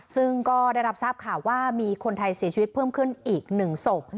ซึ่งก็ได้รับทราบข่าวว่ามีคนไทยเสียชีวิตเพิ่มขึ้นอีก๑ศพ